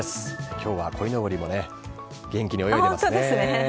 今日はこいのぼりも元気に泳いでいますね。